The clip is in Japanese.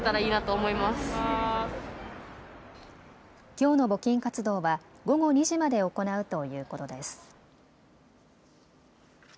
きょうの募金活動は午後２時まで行うということです。